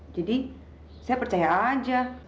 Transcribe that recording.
jadi saya percaya aja